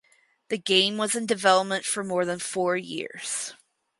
The game was in development for more than four years.